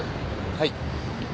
はい。